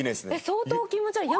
相当気持ち悪い。